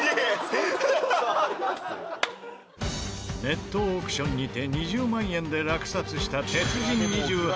ネットオークションにて２０万円で落札した鉄人２８号。